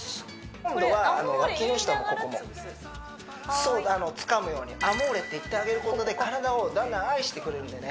そうつかむようにアモーレって言ってあげることで体をだんだん愛してくれるんでね